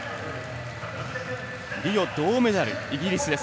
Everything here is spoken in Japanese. リオ銅メダル、イギリスです。